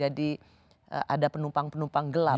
ada penumpang penumpang gelap